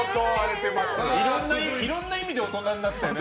いろんな意味で大人になったよね。